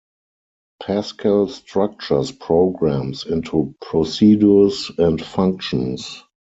Pascal structures programs into procedures and functions.